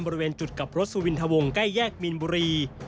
บริเวณจุดกลับรถสุวินทวงใกล้แยกมีนบุรี